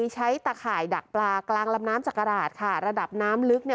ตะข่ายดักปลากลางลำน้ำจักราชค่ะระดับน้ำลึกเนี่ย